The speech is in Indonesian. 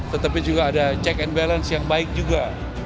tetapi juga ada check and balance yang baik juga